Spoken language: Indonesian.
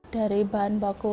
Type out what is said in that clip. dari bahan baku